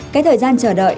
cái thời gian chờ đợi